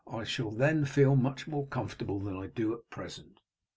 I shall then feel much more comfortable than I do at present."